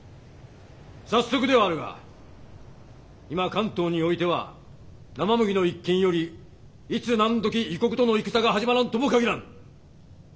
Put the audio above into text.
早速ではあるが今関東においては生麦の一件よりいつ何時異国との戦が始まらんともかぎらぬ。